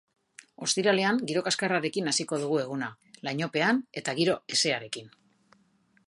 Ostiralean giro kaskarrarekin hasiko dugu eguna, lainopean eta giro hezearekin.